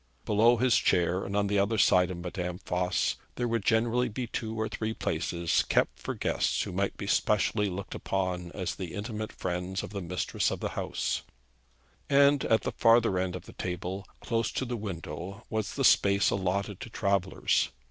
Below his chair and on the other side of Madame Voss there would generally be two or three places kept for guests who might be specially looked upon as the intimate friends of the mistress of the house; and at the farther end of the table, close to the window, was the space allotted to travellers.